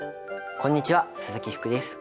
こんにちは鈴木福です。